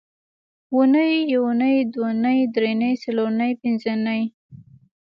اونۍ یونۍ دونۍ درېنۍ څلورنۍ پینځنۍ